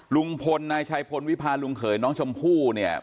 ลุงพลนายชัยพลวิพาลุงเขยน้องชมพู่เนี่ย